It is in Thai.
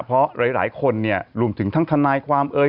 เพราะหลายคนเนี่ยรวมถึงทั้งทนายความเอ่ย